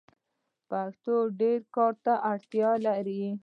پښتو ډير کار ته اړتیا لري.